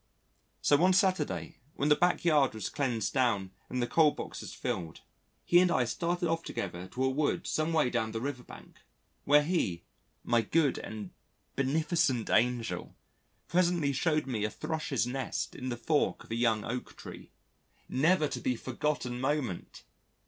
So one Saturday, when the backyard was cleaned down and the coal boxes filled, he and I started off together to a wood some way down the river bank, where he my good and beneficent angel presently showed me a Thrush's nest in the fork of a young Oak tree. Never to be forgotten moment!